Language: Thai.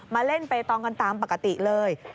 มาเล่นเปตองกันตามปกติเลย